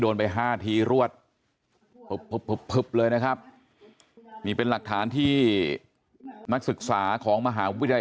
ไปห้าทีรวดพึบเลยนะครับนี่เป็นหลักฐานที่นักศึกษาของมหาวิทยาลัย